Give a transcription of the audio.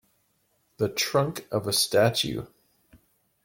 The trunk of a statue.